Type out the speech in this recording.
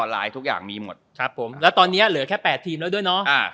ไลน์ทุกอย่างมีหมดครับผมแล้วตอนนี้เหลือแค่๘ทีมแล้วด้วยเนาะ